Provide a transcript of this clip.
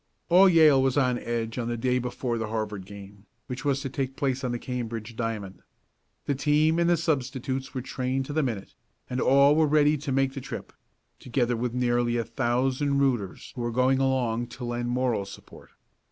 All Yale was on edge on the day before the Harvard game, which was to take place on the Cambridge diamond. The team and the substitutes were trained to the minute, and all ready to make the trip, together with nearly a thousand "rooters" who were going along to lend moral support.